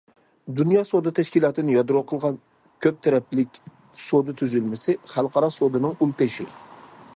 دۇنيا سودا تەشكىلاتىنى يادرو قىلغان كۆپ تەرەپلىك سودا تۈزۈلمىسى خەلقئارا سودىنىڭ ئۇل تېشى.